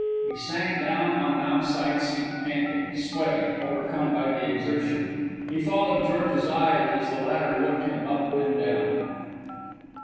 He sank down on an outside seat, panting, sweating, overcome by the exertion. He followed George's eyes as the latter looked him up and down.